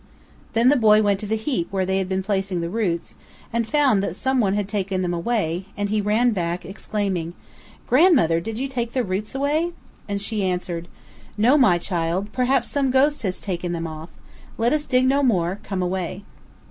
Then the boy went to the heap where they had been placing the roots, and found that some one had taken them away, and he ran back, exclaiming, "Grandmother, did you take the roots away?" And she answered, "No, my child; perhaps some ghost has taken them off; let us dig no more; come away."